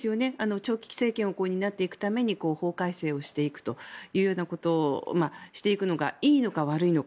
長期政権を担っていくために法改正をしていくということをしていくのがいいのか悪いのか